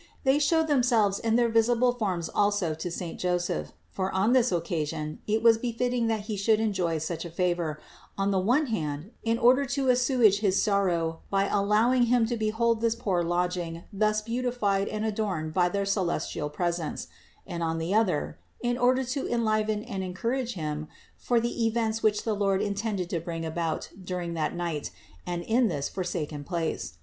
They showed themselves in their visible forms also to saint Joseph ; for on this occasion it was befitting that he should enjoy such a favor, on the one hand in order to assuage his sorrow by allowing him to behold this poor lodging thus beautified and adorned by their celestial presence, and on the other, in order to enliven and encourage him for the events which the Lord in tended to bring about during that night, and in this for saken place.